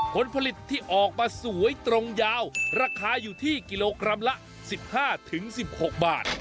ผลผลิตที่ออกมาสวยตรงยาวราคาอยู่ที่กิโลกรัมละ๑๕๑๖บาท